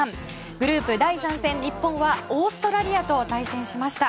グループ第３戦、日本はオーストラリアと対戦しました。